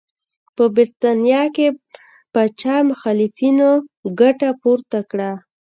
په برېټانیا کې پاچا مخالفینو ګټه پورته کړه.